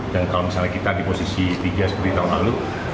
dan kalau misalnya kita di posisi ketiga seperti tahun lalu